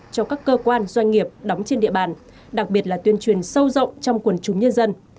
cho các cơ quan doanh nghiệp đóng trên địa bàn đặc biệt là tuyên truyền sâu rộng trong quần chúng nhân dân